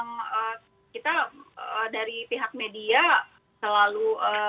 ya kita dari pihak media selalu